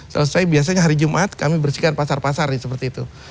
selesai biasanya hari jumat kami bersihkan pasar pasar seperti itu